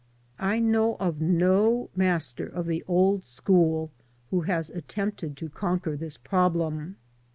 85 I know of no master of the old school who has attempted to conquer this problem.